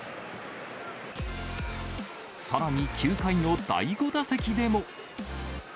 さらに９回の第５打席でも。